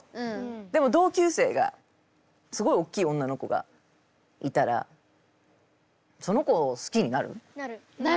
でも同級生がすごいおっきい女の子がいたらその子を好きになる？